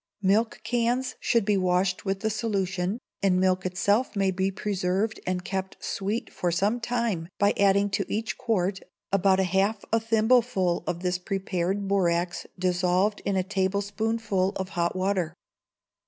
Milk cans should be washed with the solution, and milk itself may be preserved and kept sweet for some time by adding to each quart about half a thimbleful of this prepared borax dissolved in a tablespoonful of hot water.